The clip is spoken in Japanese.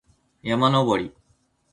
山登り